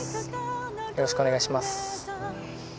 よろしくお願いします